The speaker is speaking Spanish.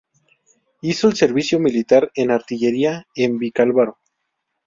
Hizo el servicio militar en artillería, en Vicálvaro.